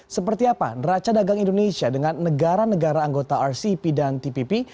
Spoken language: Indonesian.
seperti apa neraca dagang indonesia dengan negara negara anggota rcep dan tpp